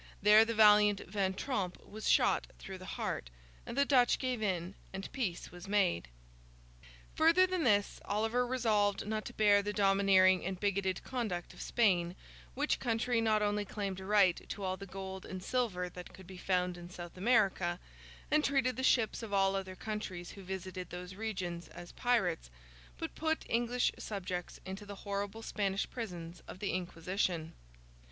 There, the valiant Van Tromp was shot through the heart, and the Dutch gave in, and peace was made. Further than this, Oliver resolved not to bear the domineering and bigoted conduct of Spain, which country not only claimed a right to all the gold and silver that could be found in South America, and treated the ships of all other countries who visited those regions, as pirates, but put English subjects into the horrible Spanish prisons of the Inquisition.